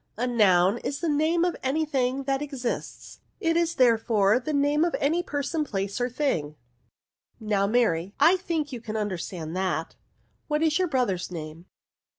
A noun is the name of any thing that exists ; it is therefore tlie name of any per son, place, or thing.' Now, Mary, I think you can understand that: what is your brother's name